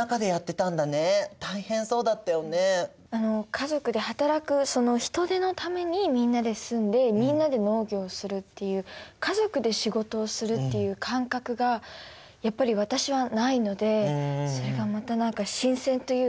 家族で働くその人手のためにみんなで住んでみんなで農業するっていう家族で仕事をするっていう感覚がやっぱり私はないのでそれがまた何か新鮮というか。